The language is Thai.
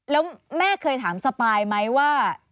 แล้วแม่เคยถามสปายไหมว่า